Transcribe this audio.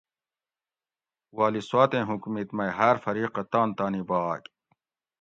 والی سواتیں حکومِت مئ ھاۤر فریقہ تان تانی باگ